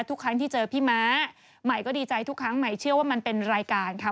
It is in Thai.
ทุกครั้งที่เจอพี่ม้าใหม่ก็ดีใจทุกครั้งใหม่เชื่อว่ามันเป็นรายการค่ะ